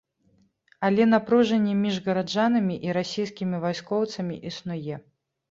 Але напружанне між гараджанамі і расійскімі вайскоўцамі існуе.